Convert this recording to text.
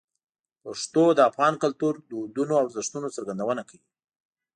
پښتو د افغان کلتور، دودونو او ارزښتونو څرګندونه کوي.